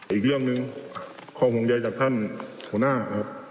อีกเรื่องหนึ่งข้อห่วงใยจากท่านหัวหน้าครับ